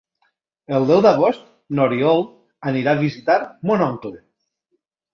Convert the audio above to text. El deu d'agost n'Oriol anirà a visitar mon oncle.